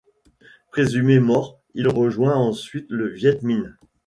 Présumé mort, il rejoint ensuite le Việt Minh.